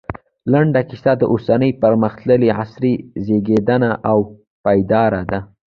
لنډه کيسه د اوسني پرمختللي عصر زېږنده او پيداوار دی